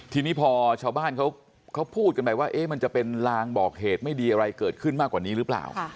ทีนี้พอชาวบ้านเขาพูดกันไปว่ามันจะเป็นลางบอกเหตุไม่ดีอะไรเกิดขึ้นมากกว่านี้หรือเปล่า